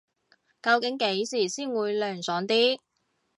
究竟幾時先會涼爽啲